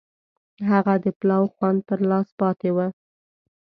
هغه د پلاو خوند پر لاس پاتې و.